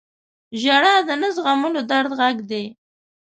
• ژړا د نه زغملو درد غږ دی.